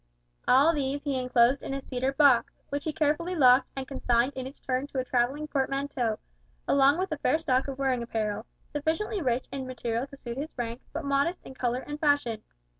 All these he enclosed in a cedar box, which he carefully locked, and consigned in its turn to a travelling portmanteau, along with a fair stock of wearing apparel, sufficiently rich in material to suit his rank, but modest in colour and fashion.